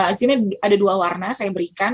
di sini ada dua warna saya berikan